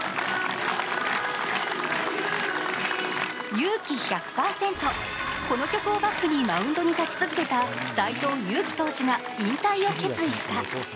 「勇気１００％」、この曲をバックにマウンドに立ち続けた斎藤佑樹投手が引退を決意した。